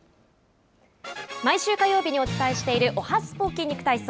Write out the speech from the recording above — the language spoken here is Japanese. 毎週火曜日にお伝えしているおはＳＰＯ筋肉体操。